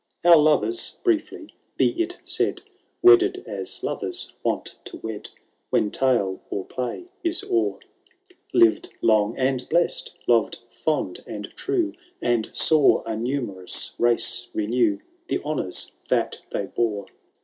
Our loven, briefly be it laid. Wedded aa loven wont to wed,^ When tale or play it o*er ; Lived long and blett, loTed fond and true. And law a numeroui race renew The honoun that they bore.